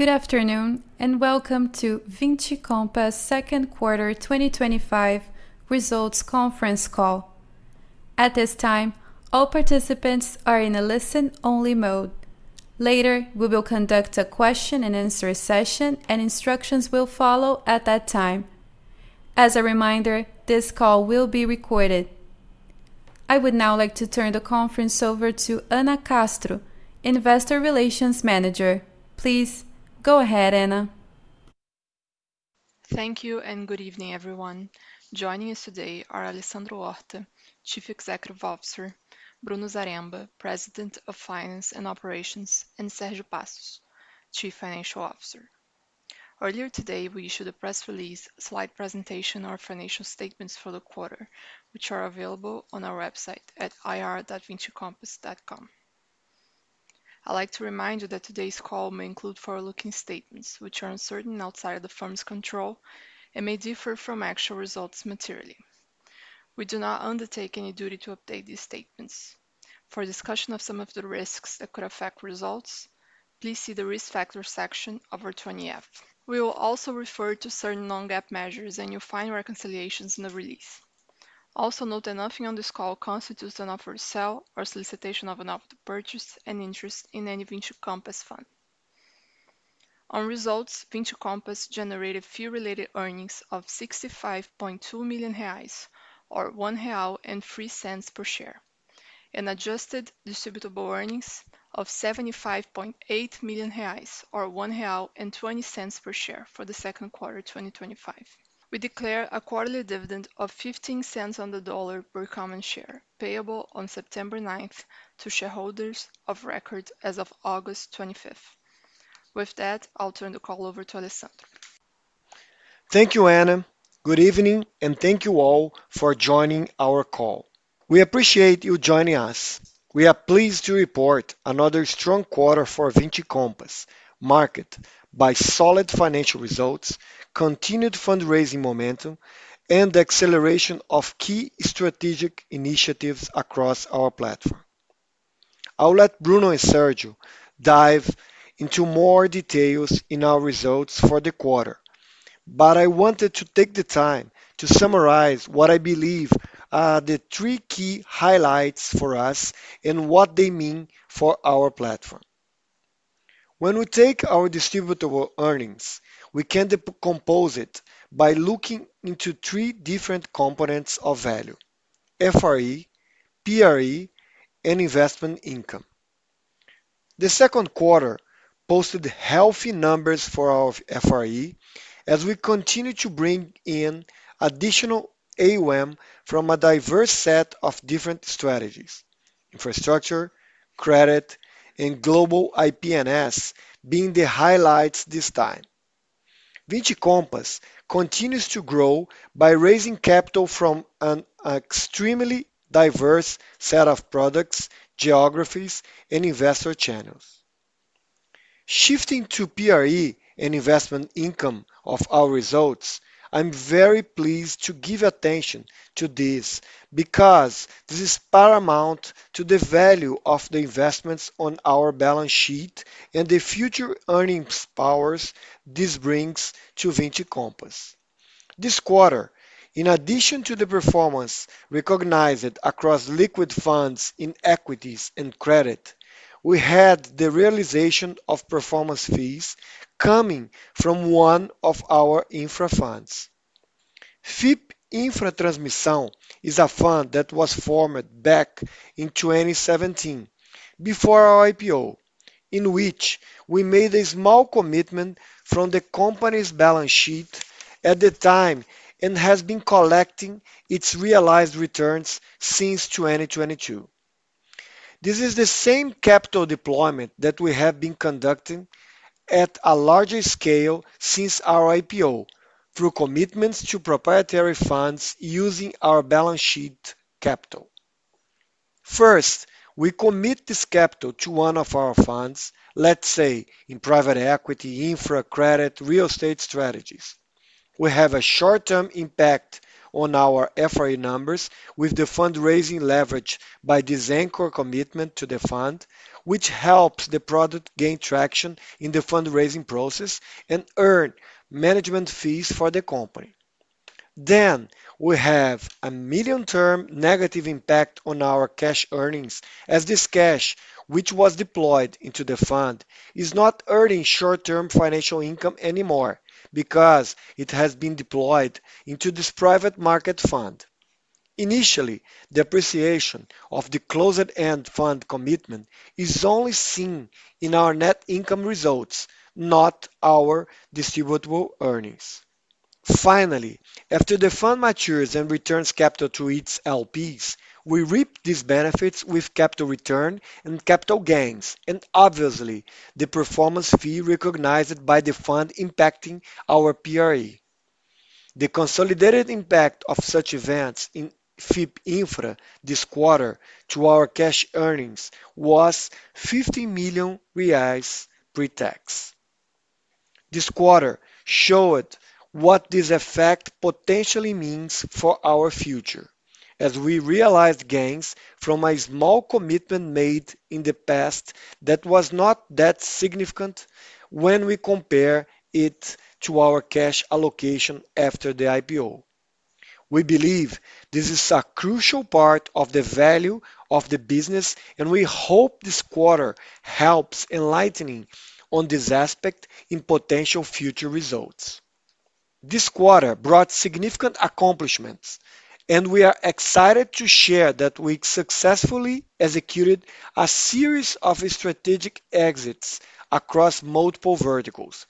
Good afternoon and welcome to Vinci Compass Second Quarter 2025 Results Conference Call. At this time, all participants are in a listen-only mode. Later, we will conduct a question and answer session, and instructions will follow at that time. As a reminder, this call will be recorded. I would now like to turn the conference over to Anna Castro, Investor Relations Manager. Please go ahead, Anna. Thank you and good evening, everyone. Joining us today are Alessandro Horta, Chief Executive Officer, Bruno Zaremba, President of Finance and Operations, and Sergio Passos, Chief Financial Officer. Earlier today, we issued a press release, a slide presentation, and our financial statements for the quarter, which are available on our website at ir.vinicompass.com. I'd like to remind you that today's call may include forward-looking statements, which are uncertain and outside of the firm's control and may differ from actual results materially. We do not undertake any duty to update these statements. For discussion of some of the risks that could affect results, please see the Risk Factors section of our 20F. We will also refer to certain non-GAAP measures, and you'll find reconciliations in the release. Also, note that nothing on this call constitutes an offer to sell or solicitation of an offer to purchase an interest in any Vinci Compass fund. On results, Vinci Compass generated fee-related earnings of 65.2 million reais, or 1.03 real/share, and adjusted distributable earnings of 75.8 million reais, or 1.20 real/share for the second quarter of 2025. We declare a quarterly dividend of 0.15 on the dollar/common share, payable on September 9 to shareholders of record as of August 25. With that, I'll turn the call over to Alessandro. Thank you, Anna. Good evening, and thank you all for joining our call. We appreciate you joining us. We are pleased to report another strong quarter for Vinci Compass marked by solid financial results, continued fundraising momentum, and the acceleration of key strategic initiatives across our platform. I'll let Bruno and Sergio dive into more details in our results for the quarter, but I wanted to take the time to summarize what I believe are the three key highlights for us and what they mean for our platform. When we take our distributable earnings, we can decompose it by looking into three different components of value: FRE, PRE, and Investment Income. The second quarter posted healthy numbers for our FRE as we continue to bring in additional AUM from a diverse set of different strategies: infrastructure, credit, and global IPNS being the highlights this time. Vinci Compass continues to grow by raising capital from an extremely diverse set of products, geographies, and investor channels. Shifting to PRE and investment income of our results, I'm very pleased to give attention to this because this is paramount to the value of the investments on our balance sheet and the future earnings powers this brings to Vinci Compass. This quarter, in addition to the performance recognized across liquid funds in equities and credit, we had the realization of performance fees coming from one of our infra funds. FIP Infra Transmissão is a fund that was formed back in 2017, before our IPO, in which we made a small commitment from the company's balance sheet at the time and has been collecting its realized returns since 2022. This is the same capital deployment that we have been conducting at a larger scale since our IPO through commitments to proprietary funds using our balance sheet capital. First, we commit this capital to one of our funds, let's say in private equity, infra, credit, real estate strategies. We have a short-term impact on our FRE numbers with the fundraising leveraged by this anchor commitment to the fund, which helps the product gain traction in the fundraising process and earn management fees for the company. We have a medium-term negative impact on our cash earnings as this cash, which was deployed into the fund, is not earning short-term financial income anymore because it has been deployed into this private market fund. Initially, the appreciation of the closed-end fund commitment is only seen in our net income results, not our distributable earnings. Finally, after the fund matures and returns capital to its LPs, we reap these benefits with capital return and capital gains, and obviously, the performance fee recognized by the fund impacting our FRE. The consolidated impact of such events in FIP Infra this quarter to our cash earnings was 50 million reais pre-tax. This quarter showed what this effect potentially means for our future as we realized gains from a small commitment made in the past that was not that significant when we compare it to our cash allocation after the IPO. We believe this is a crucial part of the value of the business, and we hope this quarter helps enlighten on this aspect in potential future results. This quarter brought significant accomplishments, and we are excited to share that we successfully executed a series of strategic exits across multiple verticals,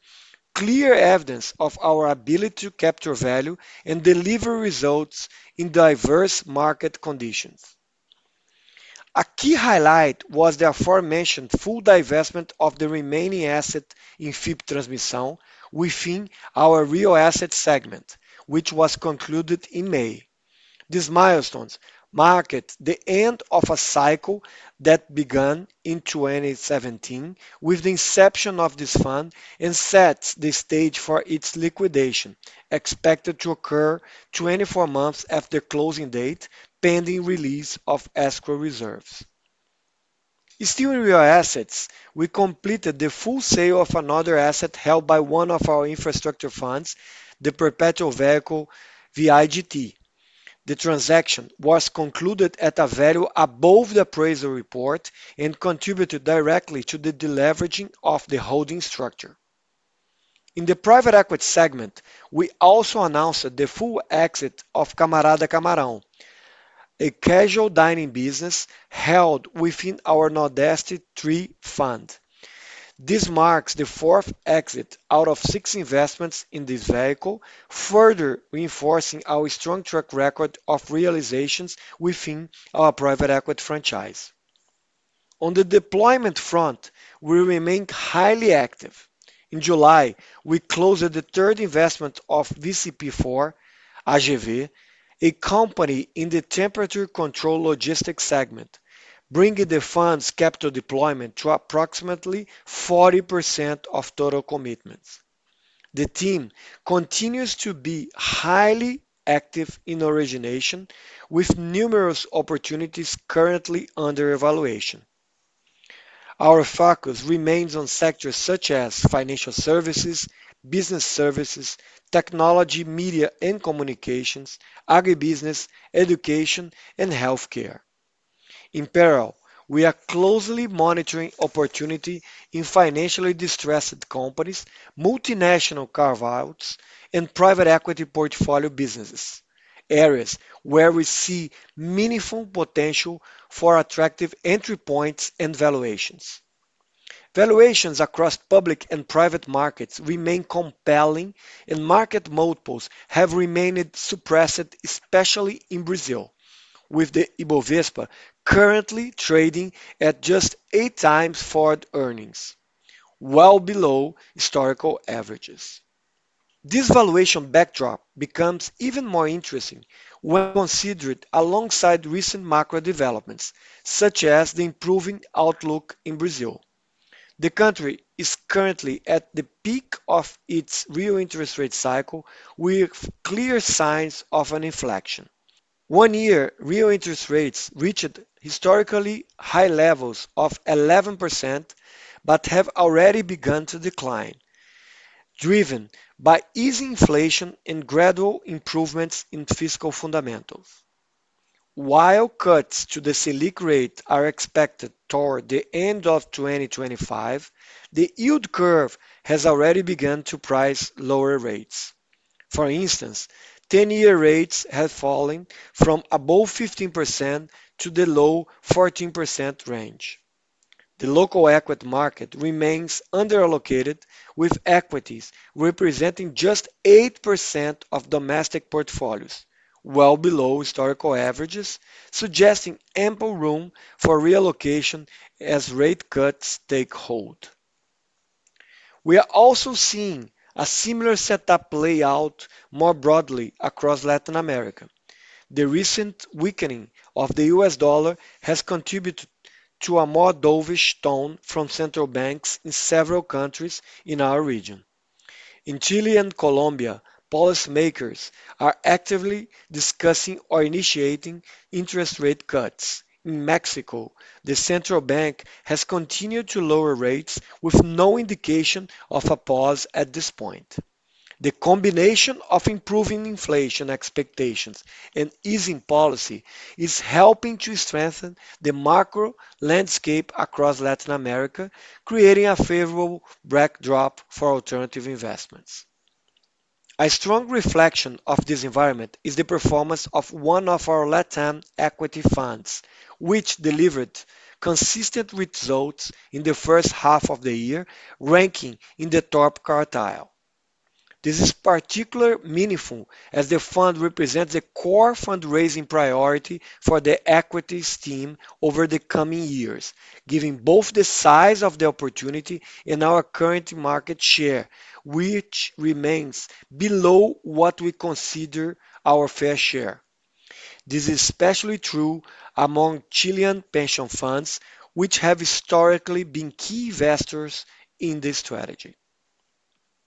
clear evidence of our ability to capture value and deliver results in diverse market conditions. A key highlight was the aforementioned full divestment of the remaining assets in FIP Infra Transmissão within our Real Assets segment, which was concluded in May. These milestones marked the end of a cycle that began in 2017 with the inception of this fund and set the stage for its liquidation, expected to occur 24 months after the closing date, pending release of escrow reserves. Still in Real Assets, we completed the full sale of another asset held by one of our infrastructure funds, the perpetual vehicle VIGT. The transaction was concluded at a value above the appraisal report and contributed directly to the deleveraging of the holding structure. In the private equity segment, we also announced the full exit of Camarada Camarão, a casual dining business held within our Nordeste III fund. This marks the fourth exit out of six investments in this vehicle, further reinforcing our strong track record of realizations within our private equity franchise. On the deployment front, we remain highly active. In July, we closed the third investment of VCP4, AGV, a company in the temperature-controlled logistics segment, bringing the fund's capital deployment to approximately 40% of total commitments. The team continues to be highly active in origination, with numerous opportunities currently under evaluation. Our focus remains on sectors such as financial services, business services, technology, media, and communications, agribusiness, education, and healthcare. In parallel, we are closely monitoring opportunity in financially distressed companies, multinational carve-outs, and private equity portfolio businesses, areas where we see meaningful potential for attractive entry points and valuations. Valuations across public and private markets remain compelling, and market multiples have remained suppressive, especially in Brazil, with the Ibovespa currently trading at just 8x forward-earnings, well below historical averages. This valuation backdrop becomes even more interesting when considered alongside recent macro-developments, such as the improving outlook in Brazil. The country is currently at the peak of its real interest rate cycle, with clear signs of an inflection. One year, real interest rates reached historically high levels of 11% but have already begun to decline, driven by easing inflation and gradual improvements in fiscal fundamentals. While cuts to the Selic rate are expected toward the end of 2025, the yield curve has already begun to price lower rates. For instance, 10-year rates have fallen from above 15% to the low 14% range. The local equity market remains under-allocated, with equities representing just 8% of domestic portfolios, well below historical averages, suggesting ample room for reallocation as rate cuts take hold. We are also seeing a similar setup play out more broadly across Latin America. The recent weakening of the U.S. dollar has contributed to a more dovish tone from central banks in several countries in our region. In Chile and Colombia, policymakers are actively discussing or initiating interest rate cuts. In Mexico, the central bank has continued to lower rates, with no indication of a pause at this point. The combination of improving inflation expectations and easing policy is helping to strengthen the macro landscape across Latin America, creating a favorable backdrop for alternative investments. A strong reflection of this environment is the performance of one of our Latin equity funds, which delivered consistent results in the first half of the year, ranking in the top quartile. This is particularly meaningful as the fund represents a core fundraising priority for the equities team over the coming years, given both the size of the opportunity and our current market share, which remains below what we consider our fair share. This is especially true among Chilean pension funds, which have historically been key investors in this strategy.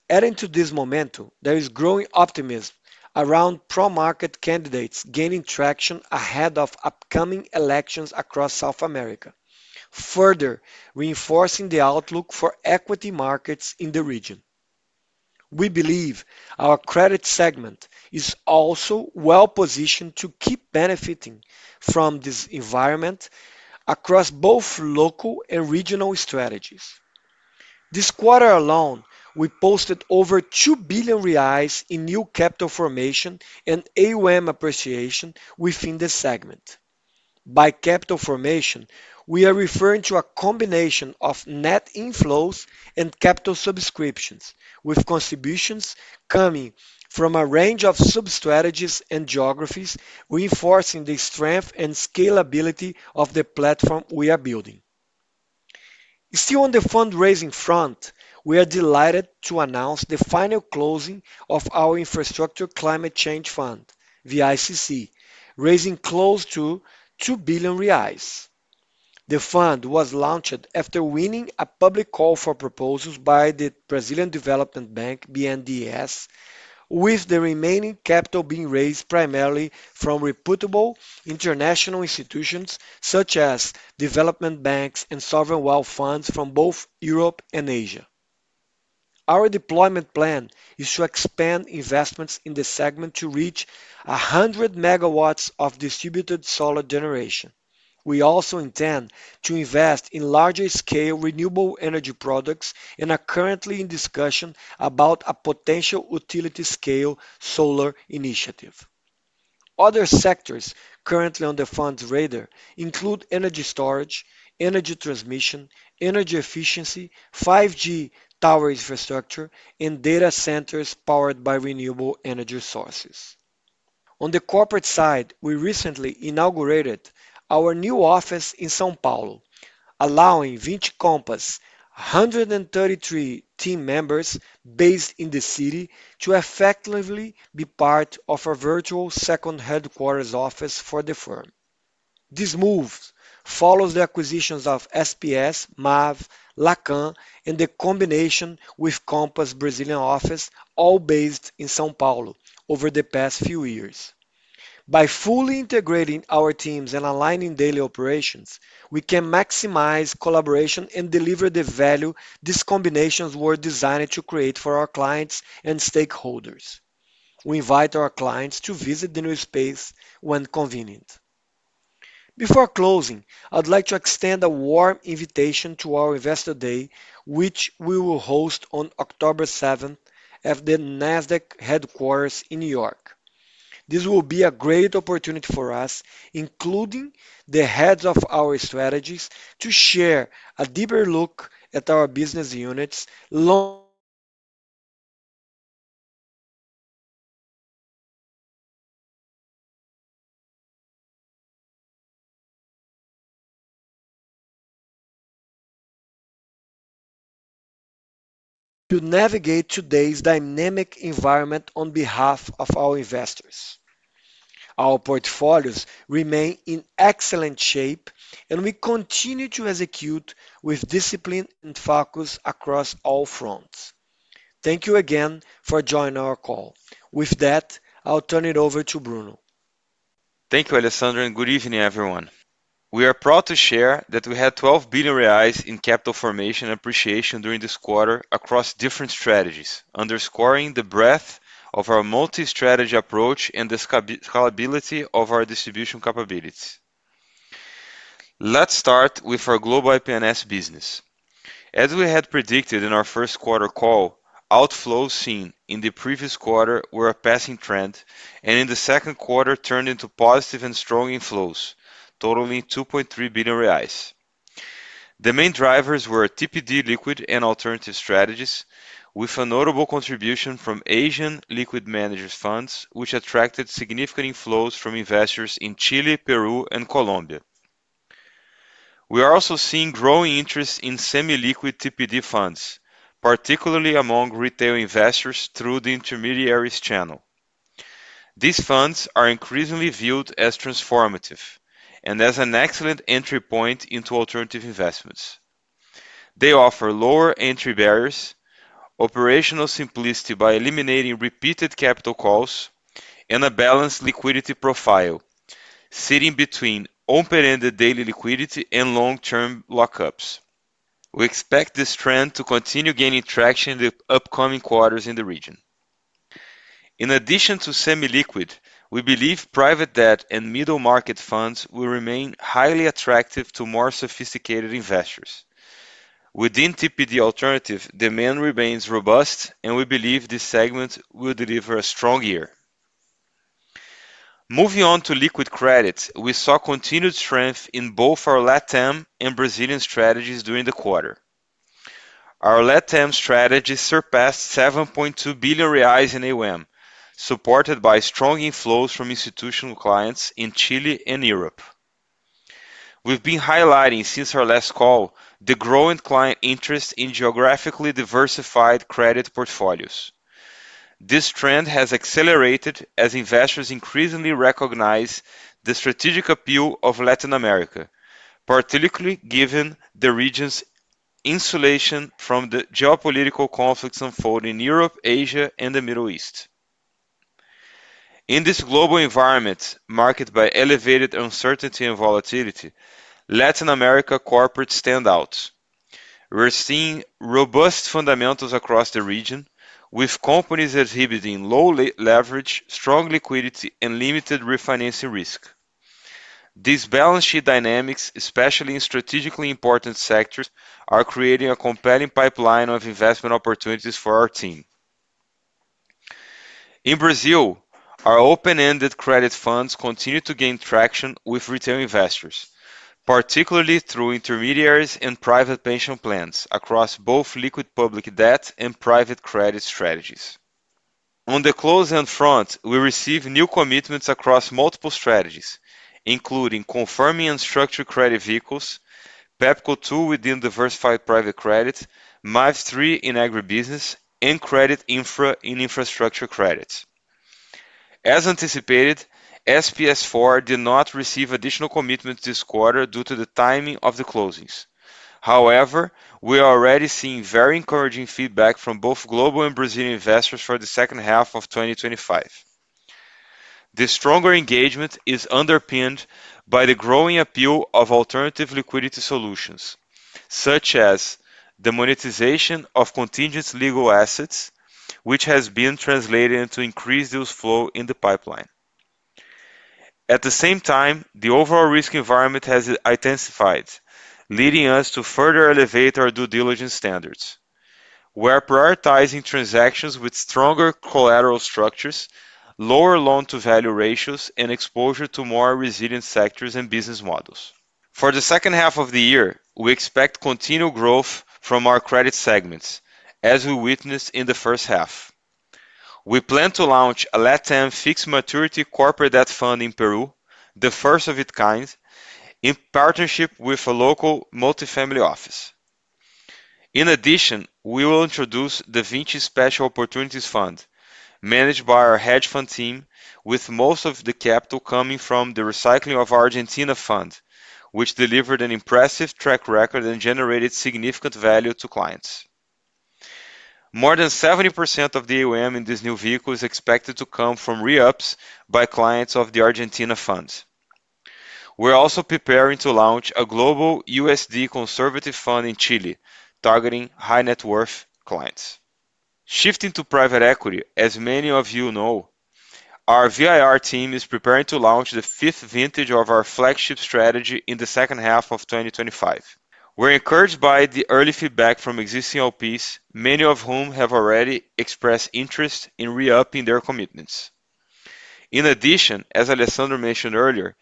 Adding to this momentum, there is growing optimism around pro-market candidates gaining traction ahead of upcoming elections across South America, further reinforcing the outlook for equity markets in the region. We believe our credit segment is also well-positioned to keep benefiting from this environment across both local and regional strategies. This quarter alone, we posted over 2 billion reais in new capital formation and AUM appreciation within the segment. By capital formation, we are referring to a combination of net inflows and capital subscriptions, with contributions coming from a range of sub-strategies and geographies, reinforcing the strength and scalability of the platform we are building. Still on the fundraising front, we are delighted to announce the final closing of our Infrastructure Climate Change Fund, the ICC, raising close to 2 billion reais. The fund was launched after winning a public call for proposals by the Brazilian Development Bank, BNDES, with the remaining capital being raised primarily from reputable international institutions such as development banks and sovereign wealth funds from both Europe and Asia. Our deployment plan is to expand investments in the segment to reach 100 MW of distributed solar generation. We also intend to invest in larger-scale renewable energy products and are currently in discussion about a potential utility-scale solar initiative. Other sectors currently on the fund's radar include energy storage, energy transmission, energy efficiency, 5G tower infrastructure, and data centers powered by renewable energy sources. On the corporate side, we recently inaugurated our new office in São Paulo, allowing Vinci Compass' 133 team members based in the city to effectively be part of a virtual second headquarters office for the firm. This move follows the acquisitions of SPS, MAV, Lacan, and the combination with Compass Brazil office, all based in São Paulo, over the past few years. By fully integrating our teams and aligning daily operations, we can maximize collaboration and deliver the value these combinations were designed to create for our clients and stakeholders. We invite our clients to visit the new space when convenient. Before closing, I'd like to extend a warm invitation to our Investor Day, which we will host on October 7 at the Nasdaq headquarters in New York. This will be a great opportunity for us, including the heads of our strategies, to share a deeper look at our business units to navigate today's dynamic environment on behalf of our investors. Our portfolios remain in excellent shape, and we continue to execute with discipline and focus across all fronts. Thank you again for joining our call. With that, I'll turn it over to Bruno. Thank you, Alessandro, and good evening, everyone. We are proud to share that we had 12 billion reais in capital formation appreciation during this quarter across different strategies, underscoring the breadth of our multi-strategy approach and the scalability of our distribution capabilities. Let's start with our global IP&S business. As we had predicted in our first quarter call, outflows seen in the previous quarter were a passing trend, and in the second quarter, turned into positive and strong inflows, totaling 2.3 billion reais. The main drivers were TPD liquid and Alternative strategies, with a notable contribution from Asian liquid managers' funds, which attracted significant inflows from investors in Chile, Peru, and Colombia. We are also seeing growing interest in semi-liquid TPD funds, particularly among retail investors through the intermediaries channel. These funds are increasingly viewed as transformative and as an excellent entry point into alternative investments. They offer lower entry barriers, operational simplicity by eliminating repeated capital calls, and a balanced liquidity profile, sitting between open-ended daily liquidity and long-term lockups. We expect this trend to continue gaining traction in the upcoming quarters in the region. In addition to semi-liquid, we believe private debt and middle market funds will remain highly attractive to more sophisticated investors. Within TPD alternative, demand remains robust, and we believe this segment will deliver a strong year. Moving on to liquid credit, we saw continued strength in both our Latin and Brazilian strategies during the quarter. Our Latin strategies surpassed 7.2 billion reais in AUM, supported by strong inflows from institutional clients in Chile and Europe. We've been highlighting since our last call the growing client interest in geographically diversified credit portfolios. This trend has accelerated as investors increasingly recognize the strategic appeal of Latin America, particularly given the region's insulation from the geopolitical conflicts unfolding in Europe, Asia, and the Middle East. In this global environment, marked by elevated uncertainty and volatility, Latin America corporates stand out. We're seeing robust fundamentals across the region, with companies exhibiting low leverage, strong liquidity, and limited refinancing risk. These balance sheet dynamics, especially in strategically important sectors, are creating a compelling pipeline of investment opportunities for our team. In Brazil, our open-ended credit funds continue to gain traction with retail investors, particularly through intermediaries and private pension plans across both liquid public debt and private credit strategies. On the closed-end front, we receive new commitments across multiple strategies, including confirming and structuring credit vehicles, PEPCO II within diversified private credits, MAV III in agribusiness, and Credit Infra in infrastructure credits. As anticipated, SPS IV did not receive additional commitments this quarter due to the timing of the closings. However, we are already seeing very encouraging feedback from both global and Brazilian investors for the second half of 2025. This stronger engagement is underpinned by the growing appeal of alternative liquidity solutions, such as the monetization of contingent legal assets, which has been translated into increased deals flow in the pipeline. At the same time, the overall risk environment has intensified, leading us to further elevate our due diligence standards. We are prioritizing transactions with stronger collateral structures, lower loan-to-value ratios, and exposure to more resilient sectors and business models. For the second half of the year, we expect continual growth from our credit segments, as we witnessed in the first half. We plan to launch a Latin fixed maturity corporate debt fund in Peru, the first of its kind, in partnership with a local multi-family office. In addition, we will introduce the Vinci Special Opportunities Fund, managed by our hedge fund team, with most of the capital coming from the Recycling of Argentina fund, which delivered an impressive track record and generated significant value to clients. More than 70% of the AUM in this new vehicle is expected to come from re-ups by clients of the Argentina fund. We're also preparing to launch a global USD conservative fund in Chile, targeting high net worth clients. Shifting to private equity, as many of you know, our VIR team is preparing to launch the fifth vintage of our flagship strategy in the second half of 2025. We're encouraged by the early feedback from existing LPs, many of whom have already expressed interest in re-upping their commitments. In addition, as Alessandro mentioned earlier,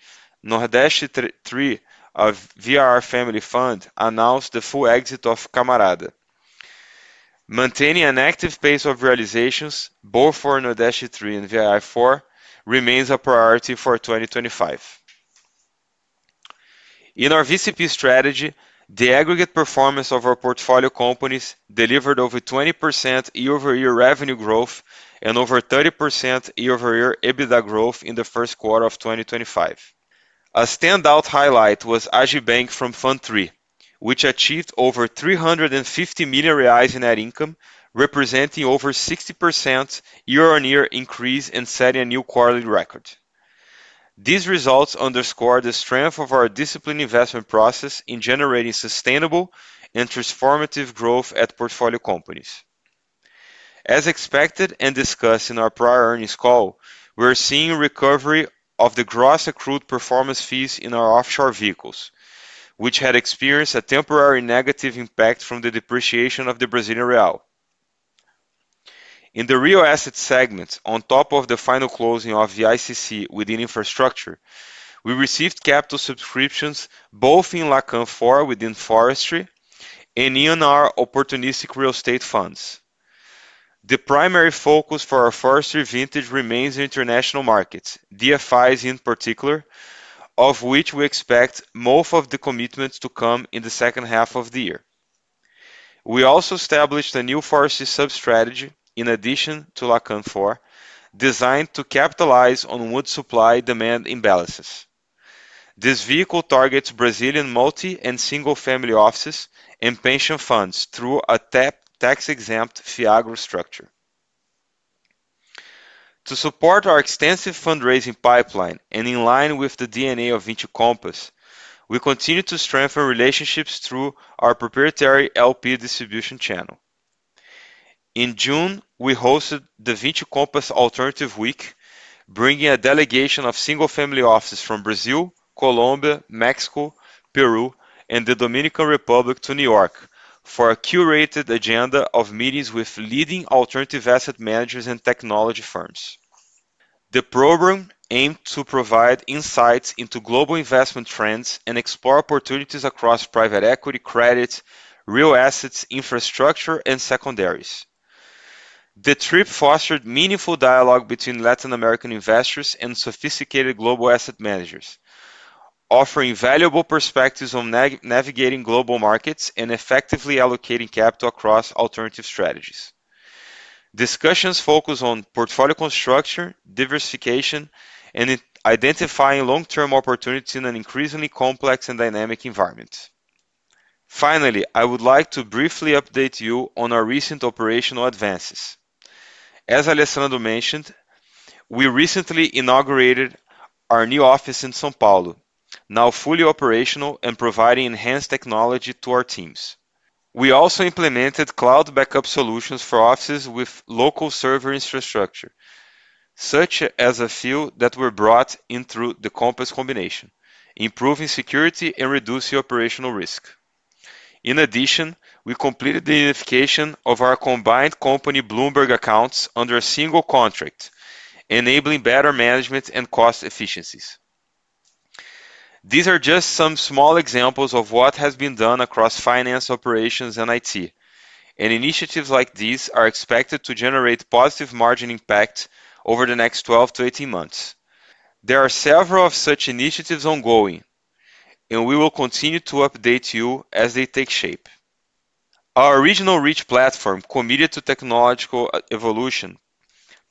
Nordeste III of VIR Family Fund announced the full exit of Camarada Camarão. Maintaining an active pace of realizations, both for Nordeste III and VIR IV, remains a priority for 2025. In our VCP strategy, the aggregate performance of our portfolio companies delivered over 20% year-over-year revenue growth and over 30% year-over-year EBITDA growth in the first quarter of 2025. A standout highlight was AGV from fund three, which achieved over 350 million reais in net income, representing over 60% year-on-year increase and setting a new quarterly record. These results underscore the strength of our disciplined investment process in generating sustainable and transformative growth at portfolio companies. As expected and discussed in our prior earnings call, we're seeing recovery of the gross accrued performance fees in our offshore vehicles, which had experienced a temporary negative impact from the depreciation of the Brazilian real. In the Real Assets segment, on top of the final closing of the ICC within infrastructure, we received capital subscriptions both in Lacan IV within forestry and in our Opportunistic Real Estate Funds. The primary focus for our forestry vintage remains in international markets, DFIs in particular, of which we expect most of the commitments to come in the second half of the year. We also established a new forestry sub-strategy in addition to Lacan IV, designed to capitalize on wood supply-demand imbalances. This vehicle targets Brazilian multi- and single-family offices and pension funds through a tax-exempt FIAGRO structure. To support our extensive fundraising pipeline and in line with the DNA of Vinci Compass, we continue to strengthen relationships through our proprietary LP distribution channel. In June, we hosted the Vinci Compass Alternative Week, bringing a delegation of single-family offices from Brazil, Colombia, Mexico, Peru, and the Dominican Republic to New York for a curated agenda of meetings with leading alternative asset managers and technology firms. The program aimed to provide insights into global investment trends and explore opportunities across private equity, credit, real assets, infrastructure, and secondaries. The trip fostered meaningful dialogue between Latin American investors and sophisticated global asset managers, offering valuable perspectives on navigating global markets and effectively allocating capital across alternative strategies. Discussions focused on portfolio construction, diversification, and identifying long-term opportunities in an increasingly complex and dynamic environment. Finally, I would like to briefly update you on our recent operational advances. As Alessandro mentioned, we recently inaugurated our new office in São Paulo, now fully operational and providing enhanced technology to our teams. We also implemented cloud backup solutions for offices with local server infrastructure, such as a few that were brought in through the Compass combination, improving security and reducing operational risk. In addition, we completed the unification of our combined company Bloomberg accounts under a single contract, enabling better management and cost efficiencies. These are just some small examples of what has been done across finance operations and IT, and initiatives like these are expected to generate positive margin impacts over the next 12-18 months. There are several of such initiatives ongoing, and we will continue to update you as they take shape. Our original reach platform, committed to technological evolution,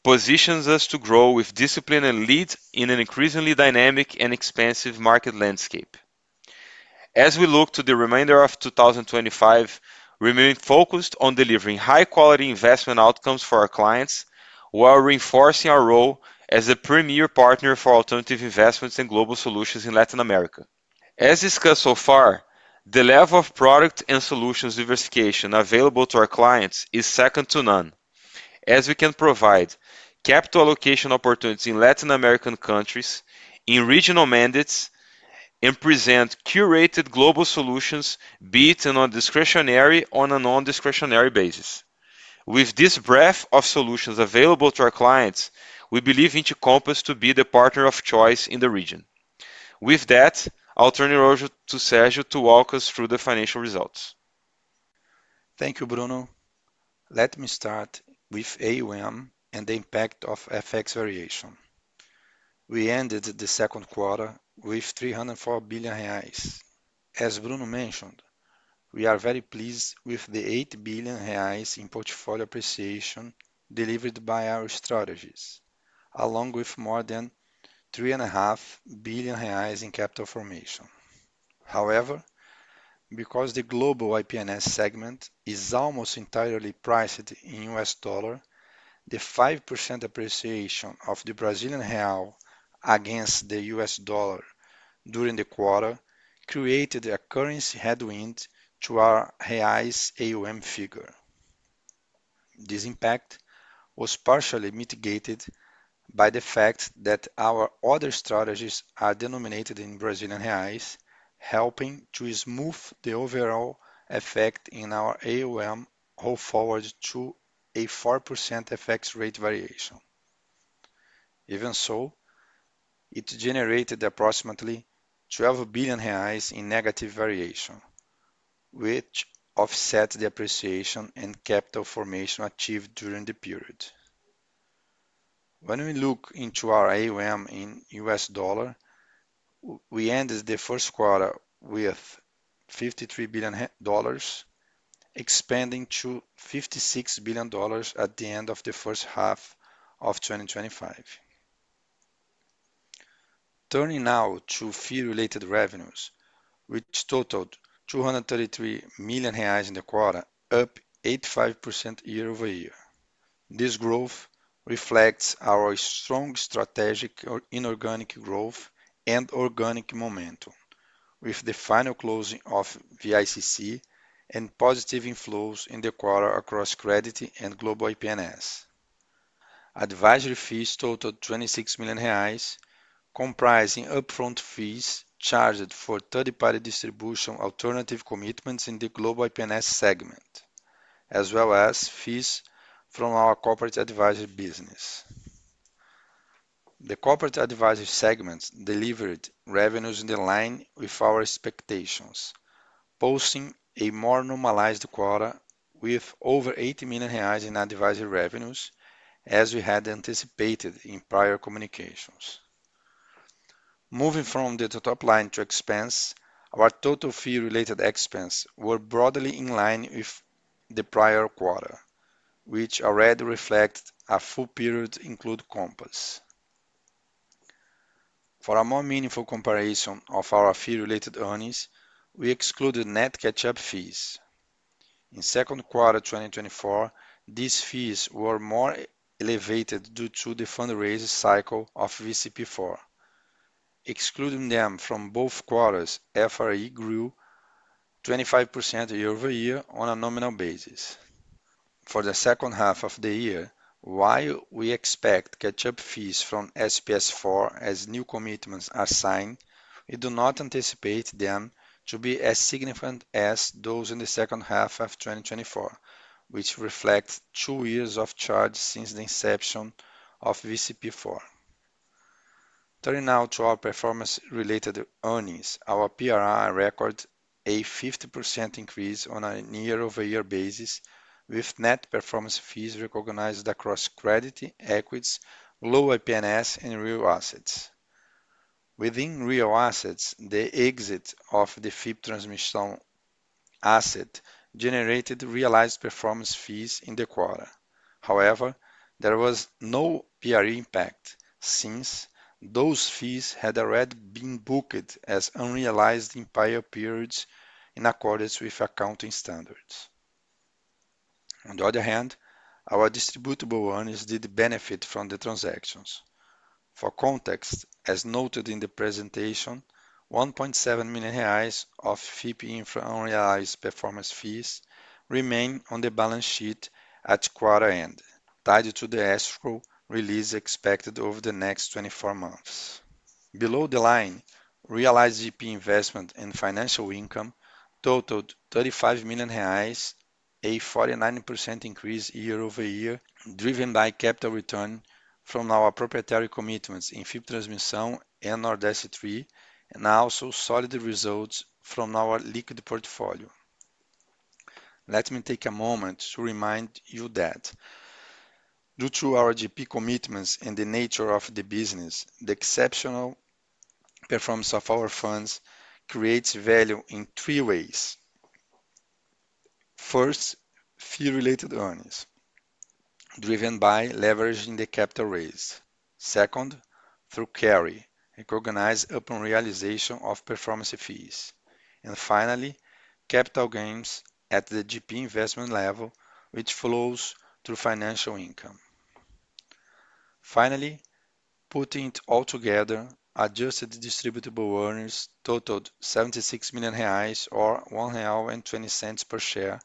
positions us to grow with discipline and lead in an increasingly dynamic and expansive market landscape. As we look to the remainder of 2025, we remain focused on delivering high-quality investment outcomes for our clients while reinforcing our role as a premier partner for alternative investments and global solutions in Latin America. As discussed so far, the level of product and solutions diversification available to our clients is second to none, as we can provide capital allocation opportunities in Latin American countries, in regional mandates, and present curated global solutions, be it on a discretionary or a non-discretionary basis. With this breadth of solutions available to our clients, we believe Vinci Compass to be the partner of choice in the region. With that, I'll turn it over to Sergio to walk us through the financial results. Thank you, Bruno. Let me start with AUM and the impact of FX variation. We ended the second quarter with 304 billion reais. As Bruno mentioned, we are very pleased with the 8 billion reais in portfolio appreciation delivered by our strategies, along with more than 3.5 billion reais in capital formation. However, because the global IP&S segment is almost entirely priced in U.S. dollar, the 5% appreciation of the Brazilian real against the U.S. dollar during the quarter created a currency headwind to our reais AUM figure. This impact was partially mitigated by the fact that our other strategies are denominated in Brazilian reais, helping to smooth the overall effect in our AUM, rolled forward to a 4% FX rate variation. Even so, it generated approximately 12 billion reais in negative variation, which offset the appreciation and capital formation achieved during the period. When we look into our AUM in U.S. dollar, we ended the first quarter with $53 billion, expanding to $56 billion at the end of the first half of 2025. Turning now to fee-related revenues, which totaled 233 million reais in the quarter, up 85% year-over-year. This growth reflects our strong strategic inorganic growth and organic momentum, with the final closing of the ICC and positive inflows in the quarter across credit and global IP&S. Advisory fees totaled 26 million reais, comprising upfront fees charged for third-party distribution alternative commitments in the global IP&S segment, as well as fees from our corporate advisory business. The corporate advisory segment delivered revenues in line with our expectations, posting a more normalized quarter with over 80 million reais in advisory revenues, as we had anticipated in prior communications. Moving from the top line to expense, our total fee-related expenses were broadly in line with the prior quarter, which already reflected a full period included compensation. For a more meaningful comparison of our fee-related earnings, we excluded net catch-up fees. In second quarter 2024, these fees were more elevated due to the fundraising cycle of VCP4. Excluding them from both quarters, FRE grew 25% year-over-year on a nominal basis. For the second half of the year, while we expect catch-up fees from SPS IV as new commitments are signed, we do not anticipate them to be as significant as those in the second half of 2024, which reflects two years of charge since the inception of VCP4. Turning now to our performance-related earnings, our PRI recorded a 50% increase on a year-over-year basis, with net performance fees recognized across credit, equities, low IP&S, and real assets. Within real assets, the exit of the FIP Infra Transmissão asset generated realized performance fees in the quarter. However, there was no PRI impact since those fees had already been booked as unrealized in prior periods in accordance with accounting standards. On the other hand, our distributable earnings did benefit from the transactions. For context, as noted in the presentation, 1.7 million reais of FIP Infra unrealized performance fees remain on the balance sheet at quarter end, tied to the escrow release expected over the next 24 months. Below the line, realized GP investment and financial income totaled 35 million reais, a 49% increase year-over-year, driven by capital return from our proprietary commitments in FIP Infra Transmissão and Nordeste III, and also solid results from our liquid portfolio. Let me take a moment to remind you that, due to our GP commitments and the nature of the business, the exceptional performance of our funds creates value in three ways. First, fee-related earnings, driven by leveraging the capital raised. Second, through CARI, recognized upon realization of performance fees. Finally, capital gains at the GP investment level, which flows through financial income. Finally, putting it all together, adjusted distributable earnings totaled 76 million reais, or 1.20 real/share,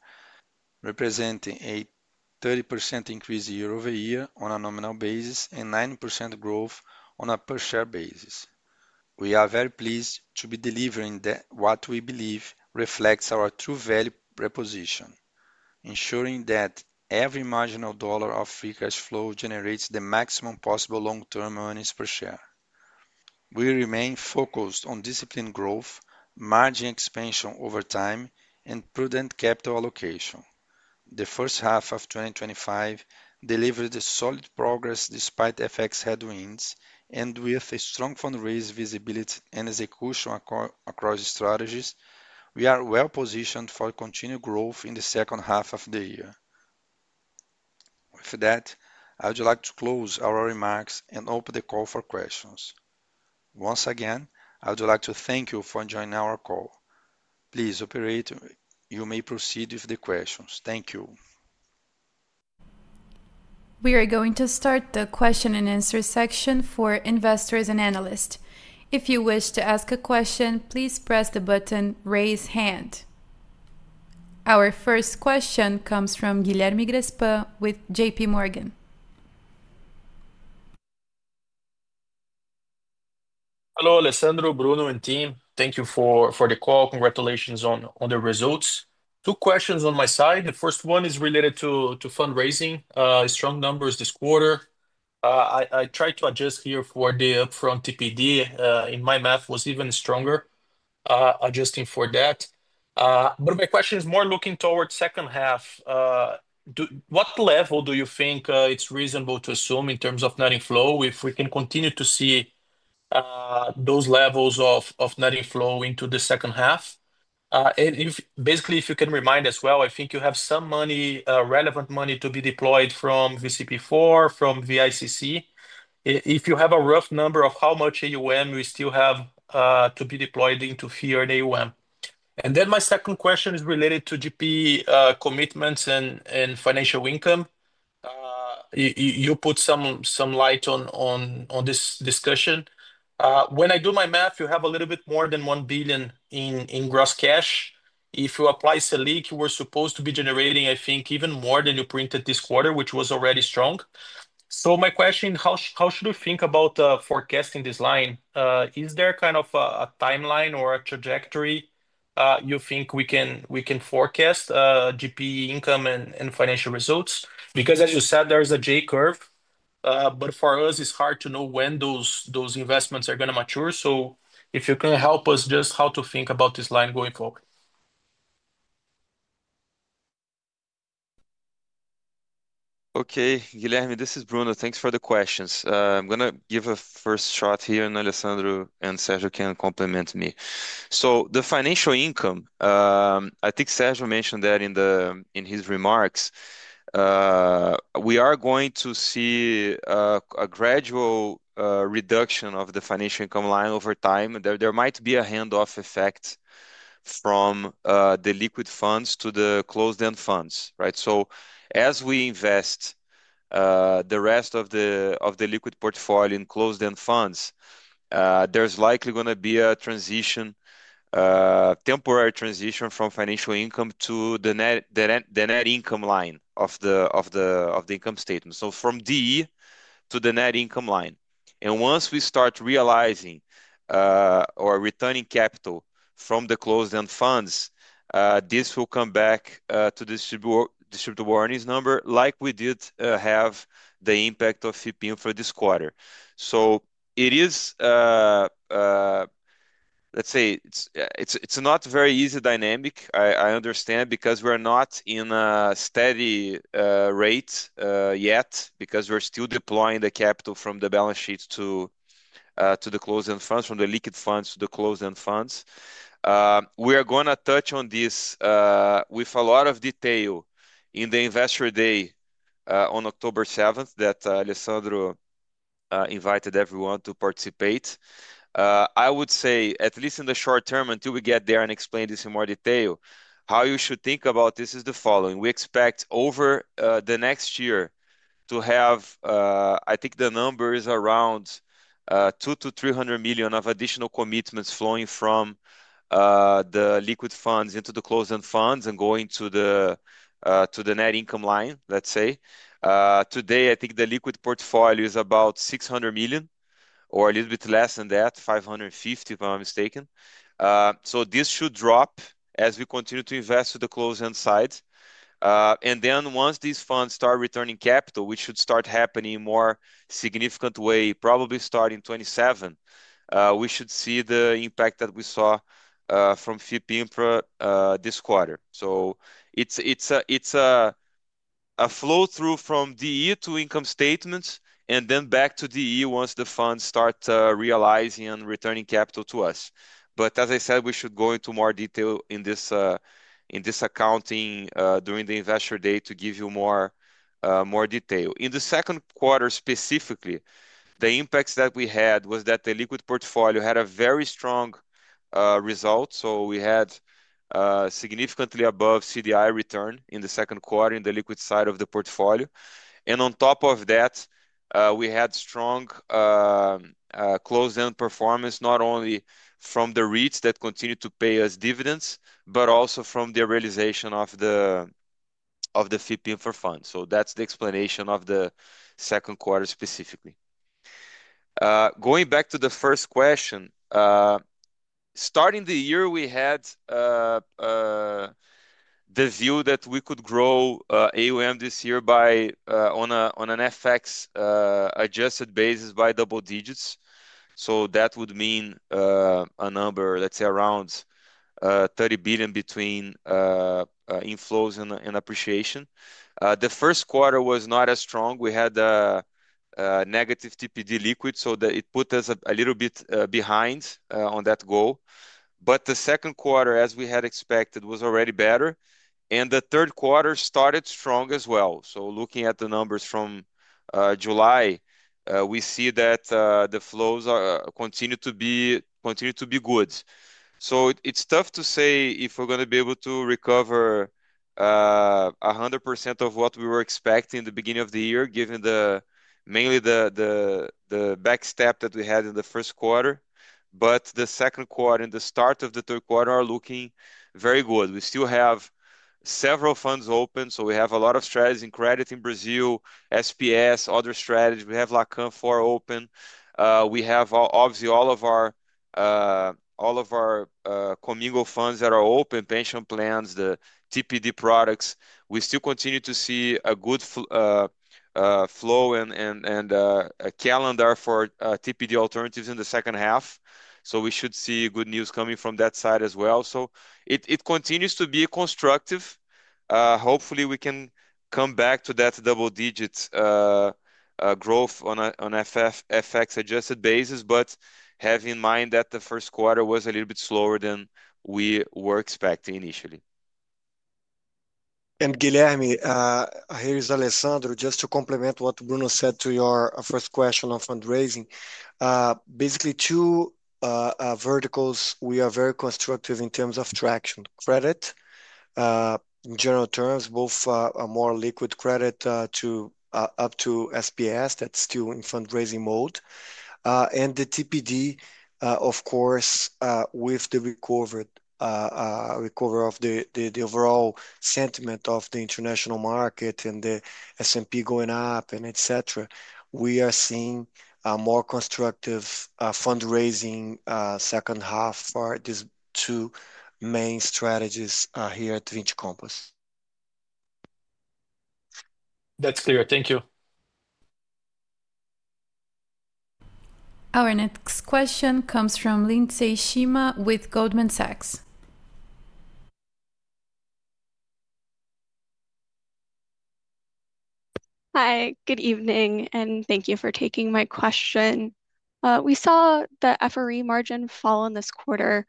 representing a 30% increase year-over-year on a nominal basis and 9% growth on a per-share basis. We are very pleased to be delivering what we believe reflects our true value proposition, ensuring that every marginal dollar of free cash flow generates the maximum possible long-term earnings per share. We remain focused on disciplined growth, margin expansion over time, and prudent capital allocation. The first half of 2025 delivered solid progress despite FX headwinds, and with strong fundraising visibility and execution across strategies, we are well-positioned for continued growth in the second half of the year. With that, I would like to close our remarks and open the call for questions. Once again, I would like to thank you for joining our call. Please operator. You may proceed with the questions. Thank you. We are going to start the question and answer section for investors and analysts. If you wish to ask a question, please press the button Raise Hand. Our first question comes from Guilherme Grespan with JPMorgan. Hello, Alessandro, Bruno, and team. Thank you for the call. Congratulations on the results. Two questions on my side. The first one is related to fundraising, strong numbers this quarter. I tried to adjust here for the upfront TPD. My math was even stronger, adjusting for that. My question is more looking toward the second half. What level do you think it's reasonable to assume in terms of net inflow if we can continue to see those levels of net inflow into the second half? If you can remind as well, I think you have some money, relevant money to be deployed from VCP4, from the ICC. If you have a rough number of how much AUM you still have to be deployed into fee and AUM. My second question is related to GP commitments and financial income. You put some light on this discussion. When I do my math, you have a little bit more than 1 billion in gross cash. If you apply Selic, you were supposed to be generating, I think, even more than you printed this quarter, which was already strong. My question, how should we think about forecasting this line? Is there kind of a timeline or a trajectory you think we can forecast GP income and financial results? As you said, there is a J-curve, but for us, it's hard to know when those investments are going to mature. If you can help us just how to think about this line going forward. Okay, Guilherme, this is Bruno. Thanks for the questions. I'm going to give a first shot here, and Alessandro and Sergio can complement me. The financial income, I think Sergio mentioned that in his remarks. We are going to see a gradual reduction of the financial income line over time. There might be a handoff effect from the liquid funds to the closed-end funds, right? As we invest the rest of the liquid portfolio in closed-end funds, there's likely going to be a transition, a temporary transition from financial income to the net income line of the income statement, from DE to the net income line. Once we start realizing or returning capital from the closed-end funds, this will come back to the distributable earnings number, like we did have the impact of FIP Infra this quarter. It is, let's say, it's not a very easy dynamic, I understand, because we're not in a steady rate yet, because we're still deploying the capital from the balance sheet to the closed-end funds, from the liquid funds to the closed-end funds. We are going to touch on this with a lot of detail in the Investor Day on October 7th that Alessandro invited everyone to participate. I would say, at least in the short term, until we get there and explain this in more detail, how you should think about this is the following. We expect over the next year to have, I think the number is around 200 million-300 million of additional commitments flowing from the liquid funds into the closed-end funds and going to the net income line, let's say. Today, I think the liquid portfolio is about 600 million, or a little bit less than that, 550 million, if I'm not mistaken. This should drop as we continue to invest to the closed-end side. Once these funds start returning capital, which should start happening in a more significant way, probably starting 2027, we should see the impact that we saw from FIP Infra this quarter. It's a flow through from DE to income statements, and then back to DE once the funds start realizing and returning capital to us. As I said, we should go into more detail in this accounting during the Investor Day to give you more detail. In the second quarter specifically, the impacts that we had were that the liquid portfolio had a very strong result. We had significantly above CDI return in the second quarter in the liquid side of the portfolio. On top of that, we had strong closed-end performance, not only from the REITs that continue to pay us dividends, but also from the realization of the FIP Infra Transmissão fund. That is the explanation of the second quarter specifically. Going back to the first question, starting the year, we had the view that we could grow AUM this year on an FX-adjusted basis by double digits. That would mean a number, let's say, around 30 billion between inflows and appreciation. The first quarter was not as strong. We had a negative TPD liquid, so it put us a little bit behind on that goal. The second quarter, as we had expected, was already better. The third quarter started strong as well. Looking at the numbers from July, we see that the flows continue to be good. It's tough to say if we're going to be able to recover 100% of what we were expecting in the beginning of the year, given mainly the backstep that we had in the first quarter. The second quarter and the start of the third quarter are looking very good. We still have several funds open. We have a lot of strategies in credit in Brazil, SPS, other strategies. We have Lacan IV open. Obviously, all of our Comingo funds are open, pension plans, the TPD products. We still continue to see a good flow and a calendar for TPD alternatives in the second half. We should see good news coming from that side as well. It continues to be constructive. Hopefully, we can come back to that double-digit growth on an FX-adjusted basis, but having in mind that the first quarter was a little bit slower than we were expecting initially. Guilherme, here is Alessandro, just to complement what Bruno said to your first question on fundraising. Basically, two verticals we are very constructive in terms of traction: credit, in general terms, both a more liquid credit up to SPS that's still in fundraising mode, and the TPD, of course, with the recovery of the overall sentiment of the international market and the S&P going up, etc. We are seeing a more constructive fundraising second half for these two main strategies here at Vinci Compass. That's clear. Thank you. Our next question comes from Lindsey Shema with Goldman Sachs. Hi, good evening, and thank you for taking my question. We saw the FRE margin fall in this quarter.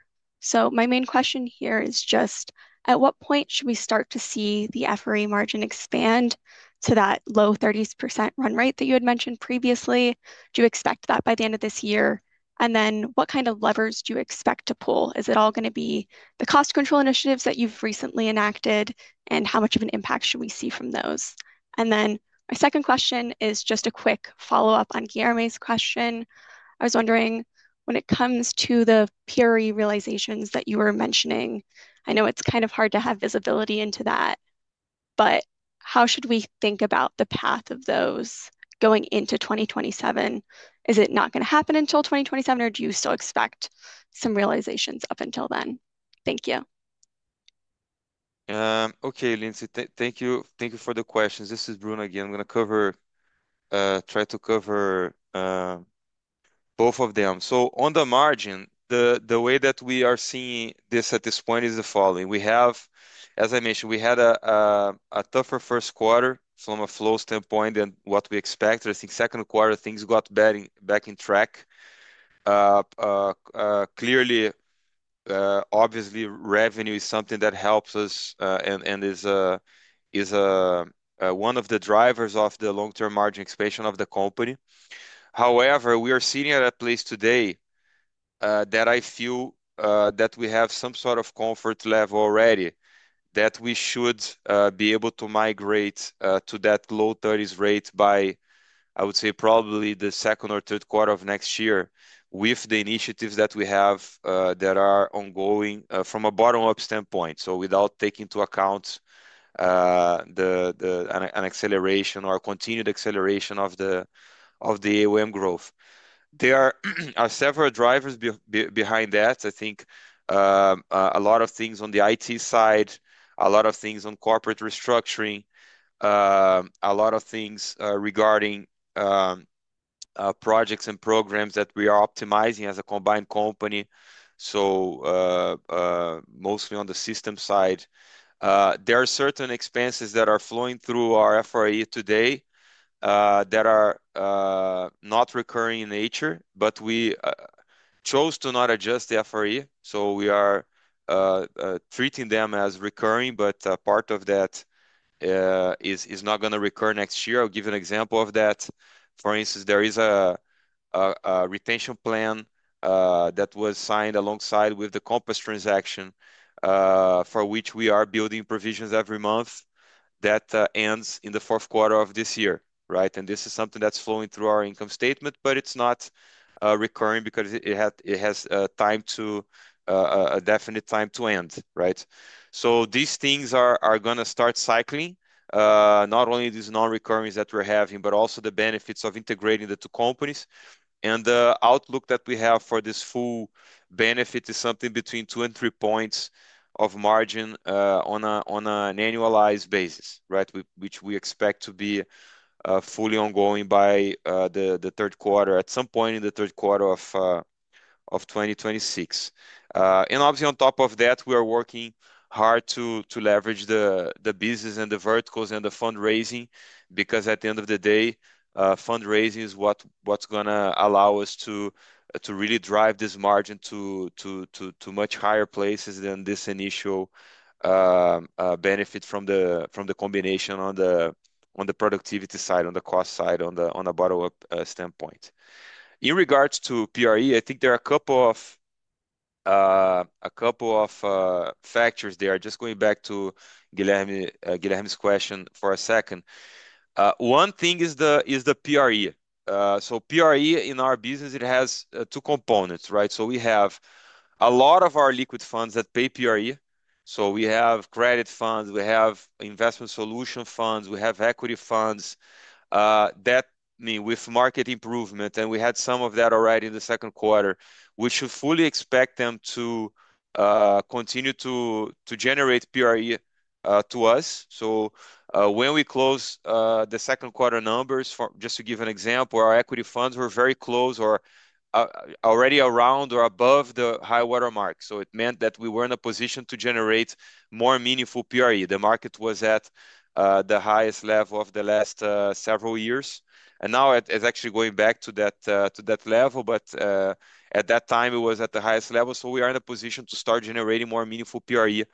My main question here is just, at what point should we start to see the FRE margin expand to that low 30% run rate that you had mentioned previously? Do you expect that by the end of this year? What kind of levers do you expect to pull? Is it all going to be the cost control initiatives that you've recently enacted, and how much of an impact should we see from those? My second question is just a quick follow-up on Guilherme's question. I was wondering, when it comes to the PRE realizations that you were mentioning, I know it's kind of hard to have visibility into that, but how should we think about the path of those going into 2027? Is it not going to happen until 2027, or do you still expect some realizations up until then? Thank you. Okay, Lindsey, thank you. Thank you for the questions. This is Bruno again. I'm going to try to cover both of them. On the margin, the way that we are seeing this at this point is the following. We have, as I mentioned, we had a tougher first quarter from a flow standpoint than what we expected. I think second quarter, things got back on track. Clearly, obviously, revenue is something that helps us and is one of the drivers of the long-term margin expansion of the company. However, we are sitting at a place today that I feel that we have some sort of comfort level already, that we should be able to migrate to that low 30% rate by, I would say, probably the second or third quarter of next year with the initiatives that we have that are ongoing from a bottom-up standpoint. Without taking into account an acceleration or continued acceleration of the AUM growth, there are several drivers behind that. I think a lot of things on the IT side, a lot of things on corporate restructuring, a lot of things regarding projects and programs that we are optimizing as a combined company, mostly on the system side. There are certain expenses that are flowing through our FRE today that are not recurring in nature, but we chose to not adjust the FRE. We are treating them as recurring, but part of that is not going to recur next year. I'll give you an example of that. For instance, there is a retention plan that was signed alongside with the Compass transaction, for which we are building provisions every month that ends in the fourth quarter of this year, right? This is something that's flowing through our income statement, but it's not recurring because it has a definite time to end, right? These things are going to start cycling, not only these non-recurrings that we're having, but also the benefits of integrating the two companies. The outlook that we have for this full benefit is something between two and three points of margin on an annualized basis, which we expect to be fully ongoing by the third quarter, at some point in the third quarter of 2026. Obviously, on top of that, we are working hard to leverage the business and the verticals and the fundraising because, at the end of the day, fundraising is what's going to allow us to really drive this margin to much higher places than this initial benefit from the combination on the productivity side, on the cost side, on a bottom-up standpoint. In regards to PRE, I think there are a couple of factors there. Just going back to Guilherme's question for a second. One thing is the PRE. PRE in our business has two components, right? We have a lot of our liquid funds that pay PRE. We have credit funds, we have investment solution funds, we have equity funds that mean with market improvement, and we had some of that already in the second quarter. We should fully expect them to continue to generate PRE to us. When we closed the second quarter numbers, just to give an example, our equity funds were very close or already around or above the high watermark. It meant that we were in a position to generate more meaningful PRE. The market was at the highest level of the last several years. Now it's actually going back to that level, but at that time, it was at the highest level. We are in a position to start generating more meaningful PRE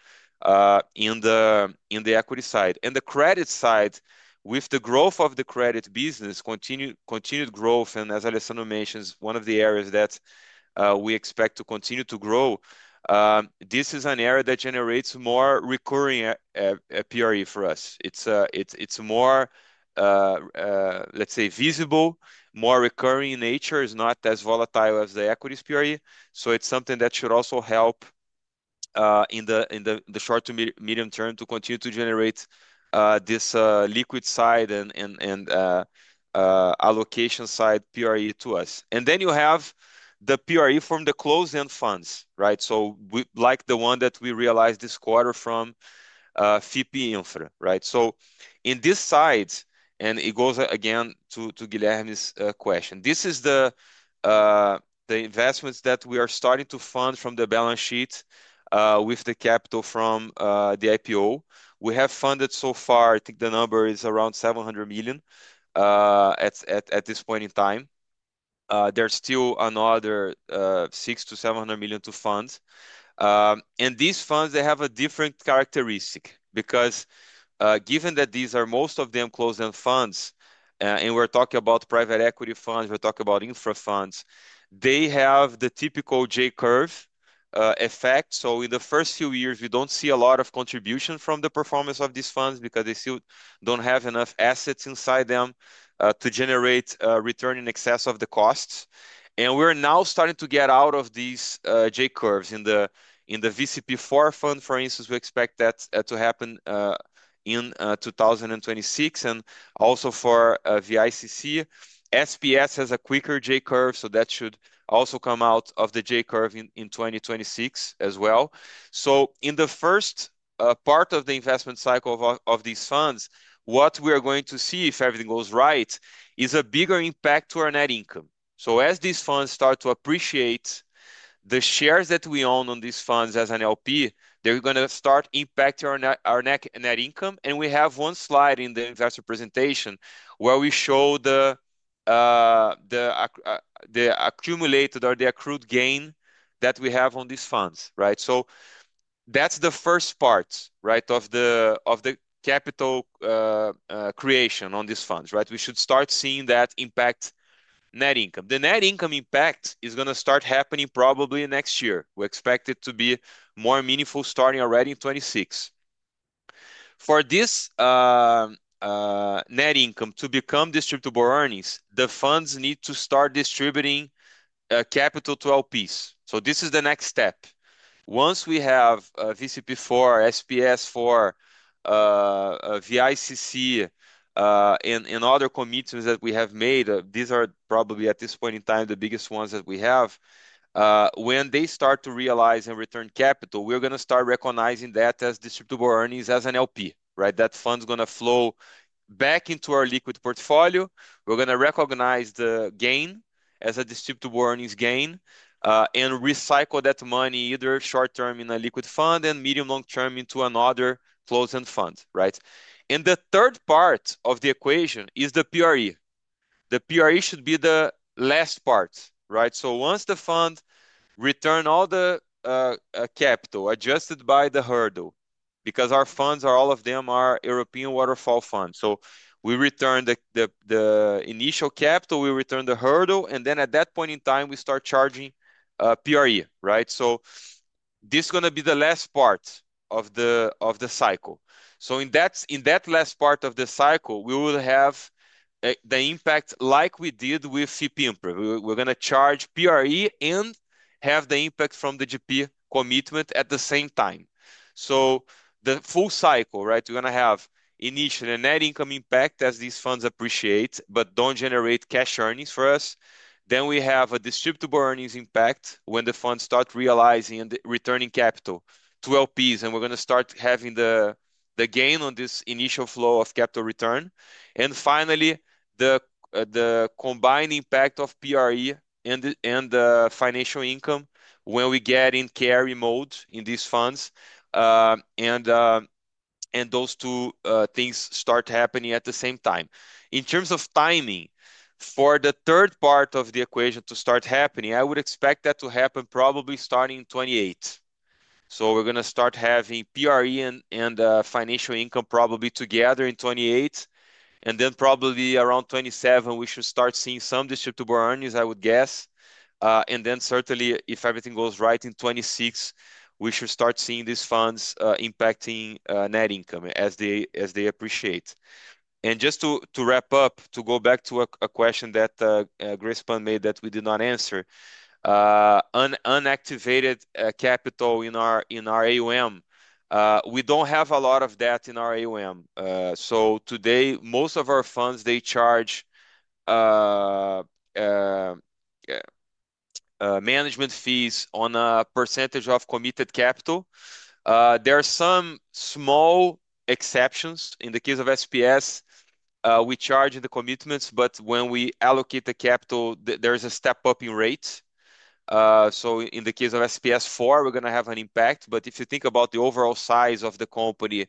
in the equity side. The credit side, with the growth of the credit business, continued growth, and as Alessandro mentioned, one of the areas that we expect to continue to grow, this is an area that generates more recurring PRE for us. It's more, let's say, visible, more recurring in nature, is not as volatile as the equities PRE. It's something that should also help in the short to medium term to continue to generate this liquid side and allocation side PRE to us. Then you have the PRE from the closed-end funds, right? Like the one that we realized this quarter from FIP Infra, right? On this side, and it goes again to Guilherme's question, this is the investments that we are starting to fund from the balance sheet with the capital from the IPO. We have funded so far, I think the number is around 700 million at this point in time. There's still another 600-700 million to fund. These funds have a different characteristic because given that these are most of them closed-end funds, and we're talking about private equity funds, we're talking about infra funds, they have the typical J-curve effect. In the first few years, we don't see a lot of contribution from the performance of these funds because they still don't have enough assets inside them to generate a return in excess of the costs. We're now starting to get out of these J-curves. In the VCP4 fund, for instance, we expect that to happen in 2026. Also for VICC, SPS has a quicker J-curve, so that should also come out of the J-curve in 2026 as well. In the first part of the investment cycle of these funds, what we are going to see, if everything goes right, is a bigger impact to our net income. As these funds start to appreciate, the shares that we own on these funds as an LP are going to start impacting our net income. We have one slide in the investor presentation where we show the accumulated or the accrued gain that we have on these funds. That is the first part of the capital creation on these funds. We should start seeing that impact net income. The net income impact is going to start happening probably next year. We expect it to be more meaningful starting already in 2026. For this net income to become distributable earnings, the funds need to start distributing capital to LPs. This is the next step. Once we have VCP4, SPS, VICC, and other commitments that we have made, these are probably at this point in time the biggest ones that we have. When they start to realize and return capital, we are going to start recognizing that as distributable earnings as an LP. That fund is going to flow back into our liquid portfolio. We are going to recognize the gain as a distributable earnings gain and recycle that money either short-term in a liquid fund and medium-long-term into another closed-end fund. The third part of the equation is the PRE. The PRE should be the last part. Once the fund returns all the capital adjusted by the hurdle, because our funds, all of them, are European waterfall funds, we return the initial capital, we return the hurdle, and then at that point in time, we start charging PRE. This is going to be the last part of the cycle. In that last part of the cycle, we will have the impact like we did with FIP Infra. We are going to charge PRE and have the impact from the GP commitment at the same time. The full cycle is that we are going to have initially a net income impact as these funds appreciate but do not generate cash earnings for us. Then we have a distributable earnings impact when the funds start realizing and returning capital to LPs, and we are going to start having the gain on this initial flow of capital return. Finally, the combined impact of PRE and the financial income when we get in carry mode in these funds, and those two things start happening at the same time. In terms of timing, for the third part of the equation to start happening, I would expect that to happen probably starting in 2028. We are going to start having PRE and financial income probably together in 2028, and probably around 2027, we should start seeing some distributable earnings, I would guess. Certainly, if everything goes right in 2026, we should start seeing these funds impacting net income as they appreciate. Just to wrap up, to go back to a question that Grespan made that we did not answer, unactivated capital in our AUM. We do not have a lot of debt in our AUM. Today, most of our funds charge management fees on a percentage of committed capital. There are some small exceptions. In the case of SPS, we charge in the commitments, but when we allocate the capital, there is a step up in rates. In the case of SPS IV, we are going to have an impact, but if you think about the overall size of the company,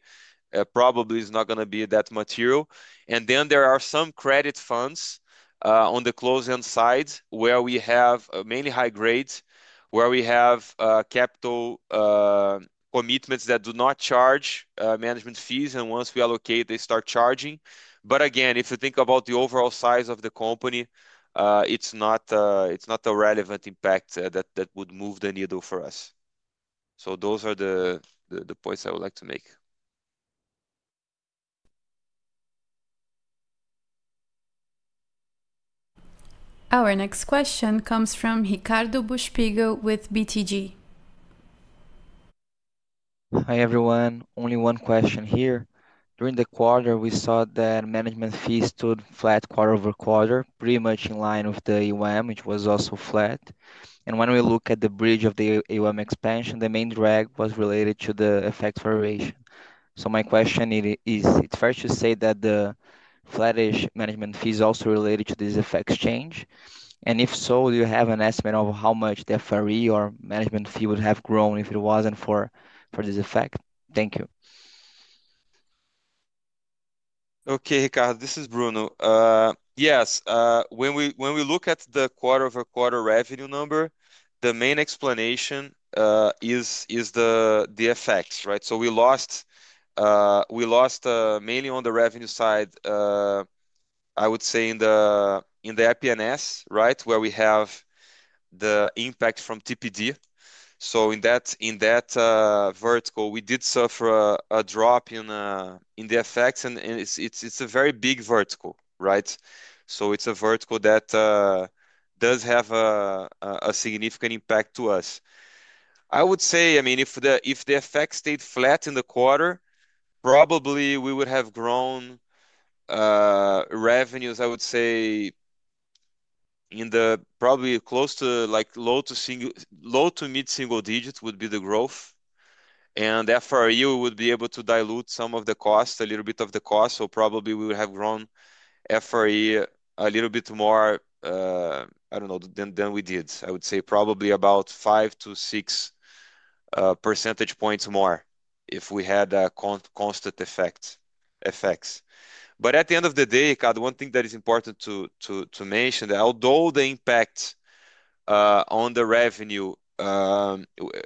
probably it is not going to be that material. There are some credit funds on the closed-end sides where we have mainly high grades, where we have capital commitments that do not charge management fees, and once we allocate, they start charging. If you think about the overall size of the company, it is not a relevant impact that would move the needle for us. Those are the points I would like to make. Our next question comes from Ricardo Buchpiguel with BTG. Hi everyone. Only one question here. During the quarter, we saw that management fees stood flat quarter-over-quarter, pretty much in line with the AUM, which was also flat. When we look at the bridge of the AUM expansion, the main drag was related to the FX variation. My question is, is it fair to say that the flattish management fees are also related to this FX change? If so, do you have an estimate of how much the FRE or management fee would have grown if it wasn't for this effect? Thank you. Okay, Ricardo, this is Bruno. Yes, when we look at the quarter-over-quarter revenue number, the main explanation is the FX, right? We lost mainly on the revenue side, I would say, in the IP&S strategies, right, where we have the impact from TPD. In that vertical, we did suffer a drop in the FX, and it's a very big vertical, right? It's a vertical that does have a significant impact to us. I would say, if the FX stayed flat in the quarter, probably we would have grown revenues, I would say, in the probably close to like low to mid-single digit would be the growth. FRE would be able to dilute some of the cost, a little bit of the cost, so probably we would have grown FRE a little bit more, I don't know, than we did. I would say probably about 5 percentage points-6 percentage points more if we had a constant FX. At the end of the day, Ricardo, one thing that is important to mention is that although the impact on the revenue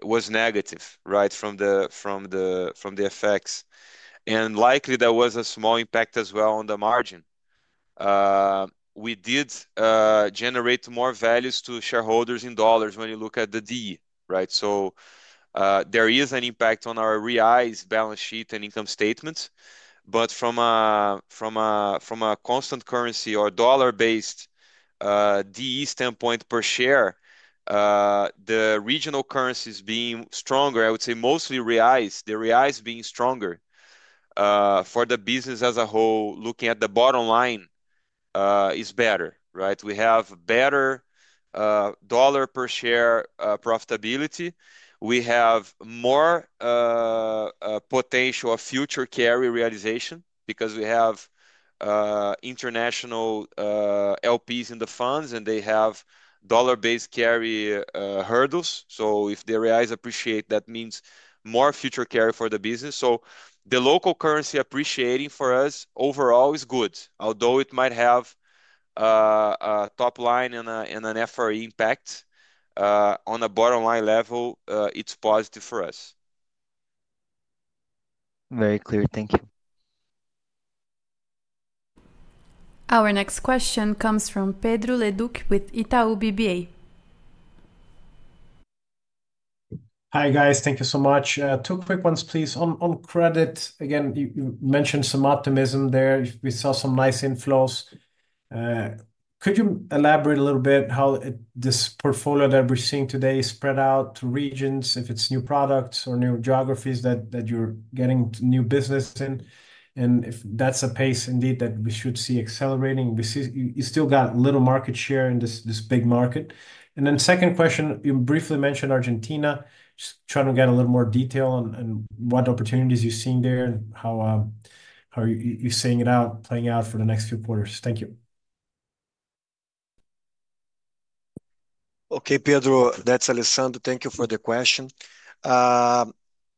was negative, right, from the FX, and likely there was a small impact as well on the margin, we did generate more value to shareholders in dollars when you look at the DE, right? There is an impact on our REIs, balance sheet, and income statements. From a constant currency or dollar-based DE standpoint per share, the regional currency is being stronger. I would say mostly REIs, the REIs being stronger. For the business as a whole, looking at the bottom line is better, right? We have better dollar per share profitability. We have more potential of future carry realization because we have international LPs in the funds, and they have dollar-based carry hurdles. If the REIs appreciate, that means more future carry for the business. The local currency appreciating for us overall is good. Although it might have a top line and an FRE impact, on a bottom line level, it's positive for us. Very clear. Thank you. Our next question comes from Pedro Leduc with Itaú BBA. Hi guys, thank you so much. Two quick ones, please. On credit, again, you mentioned some optimism there. We saw some nice inflows. Could you elaborate a little bit how this portfolio that we're seeing today is spread out to regions, if it's new products or new geographies that you're getting new business in? If that's a pace indeed that we should see accelerating, we still got a little market share in this big market. Second question, you briefly mentioned Argentina. Just trying to get a little more detail on what opportunities you're seeing there and how you're seeing it out, playing out for the next few quarters. Thank you. Okay, Pedro, that's Alessandro. Thank you for the question.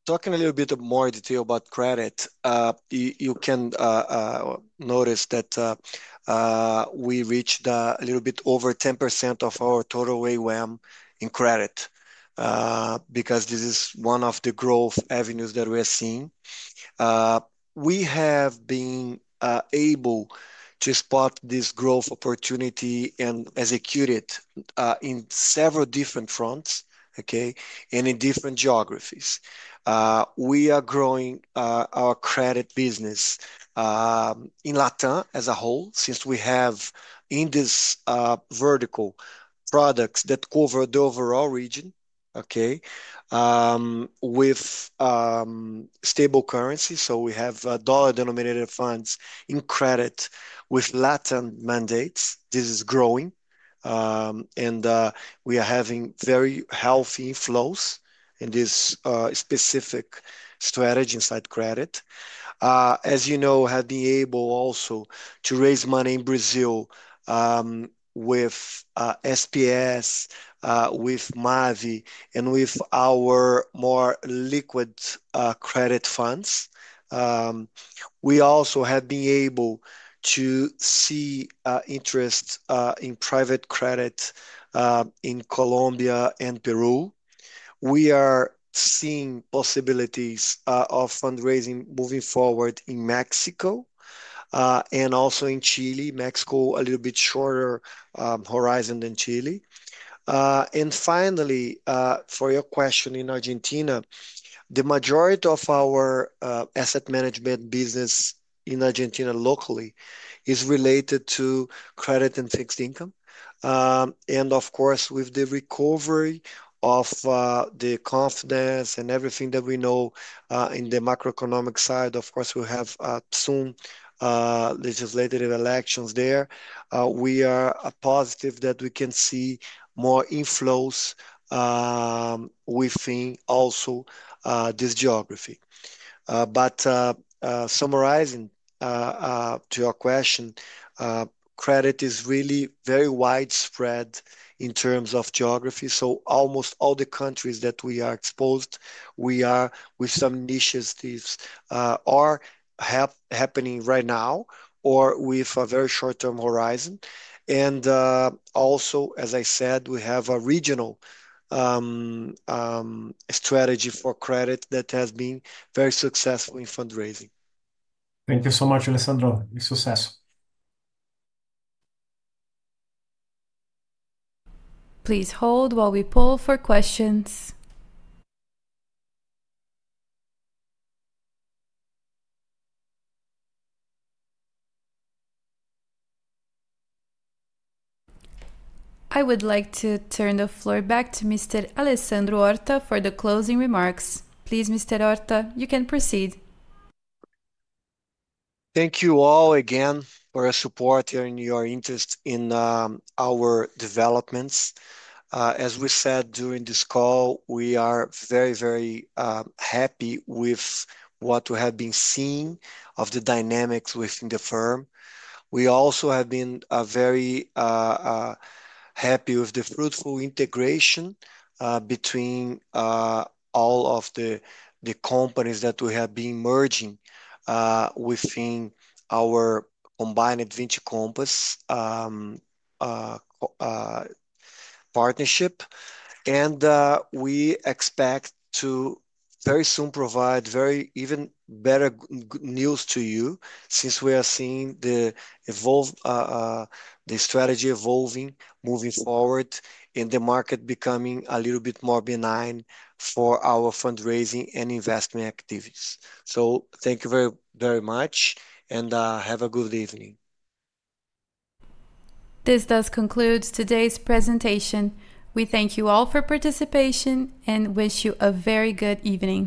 Talking a little bit of more detail about credit, you can notice that we reached a little bit over 10% of our total AUM in credit because this is one of the growth avenues that we are seeing. We have been able to spot this growth opportunity and execute it in several different fronts, in different geographies. We are growing our credit business in Latin as a whole, since we have in this vertical products that cover the overall region, with stable currency. We have dollar-denominated funds in credit with Latin mandates. This is growing, and we are having very healthy inflows in this specific strategy inside credit. As you know, we have been able also to raise money in Brazil with SPS, with MAV, and with our more liquid credit funds. We also have been able to see interest in private credit in Colombia and Peru. We are seeing possibilities of fundraising moving forward in Mexico and also in Chile. Mexico is a little bit shorter horizon than Chile. Finally, for your question in Argentina, the majority of our asset management business in Argentina locally is related to credit and fixed income. Of course, with the recovery of the confidence and everything that we know in the macroeconomic side, we have soon legislative elections there. We are positive that we can see more inflows within also this geography. Summarizing to your question, credit is really very widespread in terms of geography. Almost all the countries that we are exposed, we are with some initiatives that are happening right now or with a very short-term horizon. Also, as I said, we have a regional strategy for credit that has been very successful in fundraising. Thank you so much, Alessandro. You're a success. Please hold while we poll for questions. I would like to turn the floor back to Mr. Alessandro Horta for the closing remarks. Please, Mr. Horta, you can proceed. Thank you all again for your support and your interest in our developments. As we said during this call, we are very, very happy with what we have been seeing of the dynamics within the firm. We also have been very happy with the fruitful integration between all of the companies that we have been merging within our combined Vinci Compass partnership. We expect to very soon provide even better news to you, since we are seeing the strategy evolving, moving forward, and the market becoming a little bit more benign for our fundraising and investment activities. Thank you very, very much, and have a good evening. This does conclude today's presentation. We thank you all for your participation and wish you a very good evening.